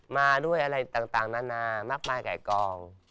มาด้วยอะไรต่างนานามากมายกับกอง